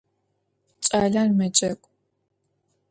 Кӏалэр мэджэгу.